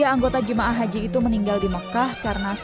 tiga anggota jemaah yang meninggal menjadi dua puluh lima orang